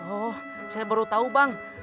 oh saya baru tahu bang